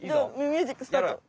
ミュージックスタート！